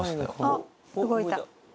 あっ動いた。